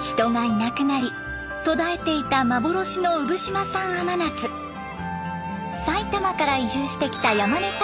人がいなくなり途絶えていた幻の産島産甘夏埼玉から移住してきた山根さん